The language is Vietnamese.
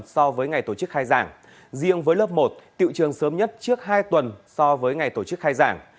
so với ngày tổ chức khai giảng riêng với lớp một tiệu trường sớm nhất trước hai tuần so với ngày tổ chức khai giảng